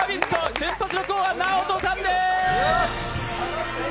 瞬発王はＮＡＯＴＯさんです！